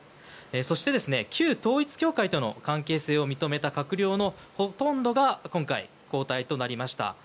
そして旧統一教会との関係性を認めた閣僚のほとんどが今回、交代となりました。